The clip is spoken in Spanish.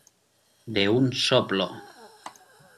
de un soplo.